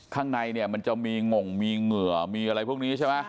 ข้างในเนี่ยมันจะมีงงมีเหงื่อมีอะไรพวกนี้ใช่ไหม